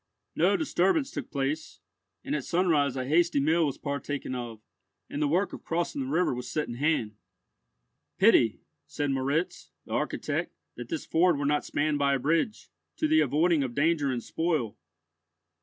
No disturbance took place, and at sunrise a hasty meal was partaken of, and the work of crossing the river was set in hand. "Pity," said Moritz, the architect, "that this ford were not spanned by a bridge, to the avoiding of danger and spoil."